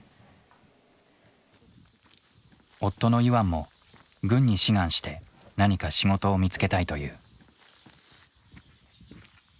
夫のイワンも軍に志願して何か仕事を見つけたいという。